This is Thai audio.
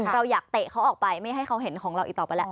เราอยากเตะเขาออกไปไม่ให้เขาเห็นของเราอีกต่อไปแล้ว